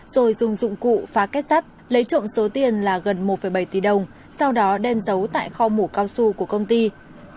rồi dùng dụng cụ phá kết sắt lấy trộm số tiền là gần một bảy tỷ đồng sau đó đem giấu tại kho mũ cao su của công ty